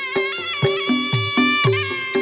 โชว์ที่สุดท้าย